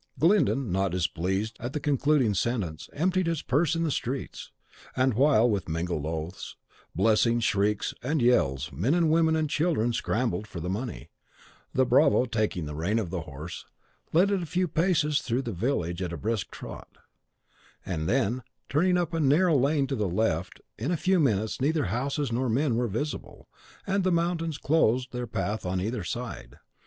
Glyndon, not displeased at the concluding sentence, emptied his purse in the streets; and while, with mingled oaths, blessings, shrieks, and yells, men, women, and children scrambled for the money, the bravo, taking the rein of the horse, led it a few paces through the village at a brisk trot, and then, turning up a narrow lane to the left, in a few minutes neither houses nor men were visible, and the mountains closed their path on either side.